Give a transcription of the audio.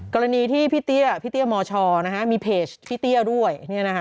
กรณีที่พี่เตี้ยมชมีเพจพี่เตี้ยด้วย